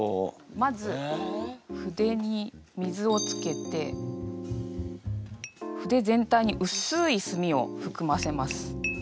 まず筆に水をつけて筆全体にうすい墨をふくませます。